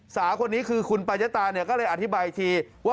สาวคนนี้คือคุณปายตาเนี่ยก็เลยอธิบายอีกทีว่า